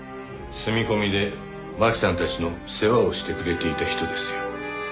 住み込みで槙さんたちの世話をしてくれていた人ですよ。